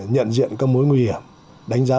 nhận diện các mối nguy hiểm đánh giá